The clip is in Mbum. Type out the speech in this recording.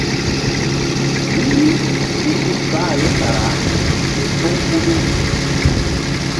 Mini tul hul bah ye kara képóŋ hulu.